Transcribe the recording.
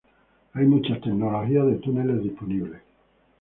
Hay muchas tecnologías de túneles disponibles.